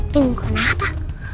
bingung kena apa